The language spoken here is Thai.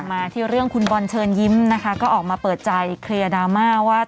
มาที่เรื่องคุณบอลเชิญยิ้มนะคะก็ออกมาเปิดใจเคลียร์ดราม่าว่า